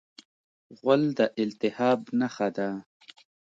غول د التهاب نښه ده.